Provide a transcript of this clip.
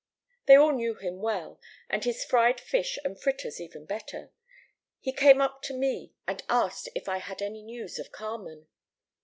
They all knew him well, and his fried fish and fritters even better. He came up to me, and asked if I had any news of Carmen.